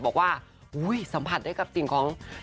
บอกว่าสัมผัสได้กับสิ่งของ